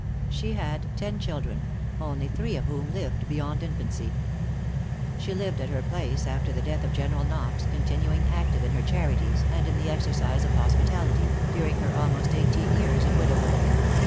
She had ten children, only three of whom lived beyond infancy. She lived at her place after the death of General Knox, continuing active in her charities, and in the exercise of hospitality, during her almost eighteen years of widowhood.